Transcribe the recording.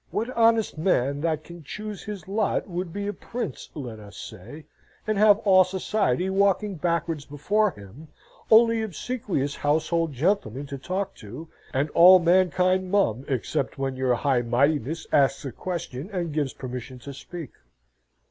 What honest man that can choose his lot would be a prince, let us say, and have all society walking backwards before him, only obsequious household gentlemen to talk to, and all mankind mum except when your High Mightiness asks a question and gives permission to speak?